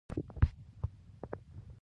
سوالګر د انسان د رحم ښکار دی